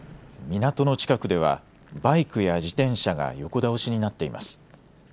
港の近くではバイクや自転車が横倒しになっています。